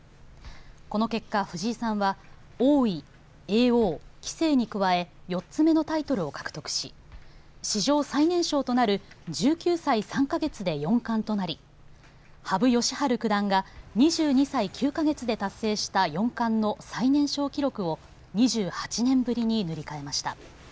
この結果、藤井さんは王位、叡王、棋聖に加え４つ目のタイトルを獲得し史上最年少となる１９歳３か月で四冠となり羽生善治九段が２２歳９か月で達成した四冠の最年少記録を２８年ぶりに塗り替えました。